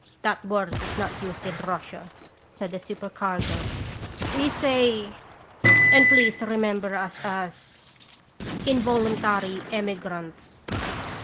"That word is not used in Russia," said the supercargo. "We say and please re member us as ' involuntary emigrants.'